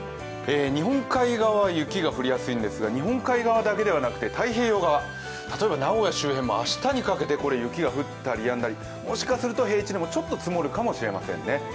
日本海側は雪が降りやすいんですが日本海側だけじゃなくて太平洋側、例えば名古屋周辺も明日にかけて雪が降ったりやんだり、もしかすると平地でもちょっと積もるかもしれませんね。